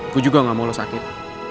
gue juga gak mau lo sakit